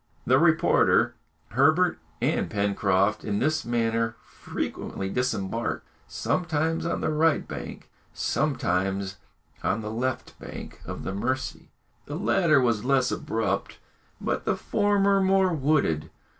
The reporter, Herbert, and Pencroft in this manner frequently disembarked, sometimes on the right bank, sometimes on the left bank of the Mercy. The latter was less abrupt, but the former more wooded.